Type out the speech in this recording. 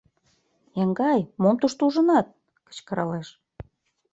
— Еҥгай, мом тушто ужынат? — кычкыралеш.